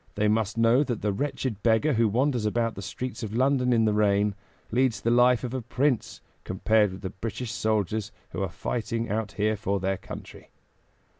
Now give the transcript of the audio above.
They must know that the wretched beggar who wanders about the streets of London in the rain, leads the life of a prince compared with the British soldiers who are fighting out here for their country.